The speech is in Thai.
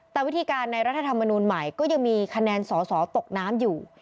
แต่วิธีการในรัฐธรรมนูลใหม่ก็ยังมีคะแนนสอสอตกน้ำอยู่